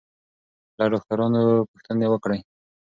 له ډاکټرانو پوښتنې وکړئ.